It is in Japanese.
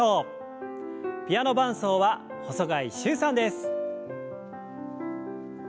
ピアノ伴奏は細貝柊さんです。